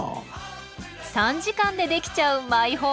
３時間でできちゃうマイホームです。